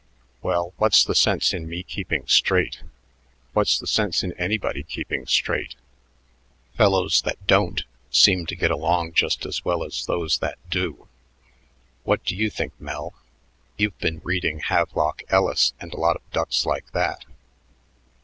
Well, what's the sense in me keeping straight? What's the sense in anybody keeping straight? Fellows that don't seem to get along just as well as those that do. What do you think, Mel? You've been reading Havelock Ellis and a lot of ducks like that."